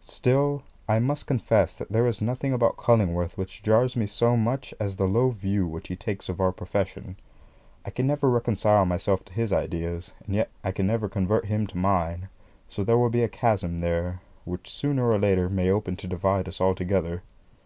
Still I must confess that there is nothing about Cullingworth which jars me so much as the low view which he takes of our profession. I can never reconcile myself to his ideas, and yet I can never convert him to mine; so there will be a chasm there which sooner or later may open to divide us altogether.